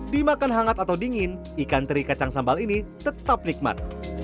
dimakan hangat atau dingin ikan teri kacang sambal ini tetap nikmat